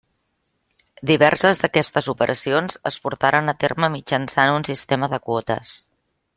Diverses d'aquestes operacions es portaren a terme mitjançant un sistema de quotes.